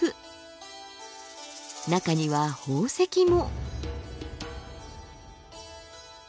中には宝石も。